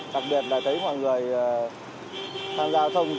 đặc biệt là thấy mọi người tham gia giao thông